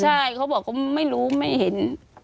ใช่เขาบอกเขาไม่รู้ไม่เห็น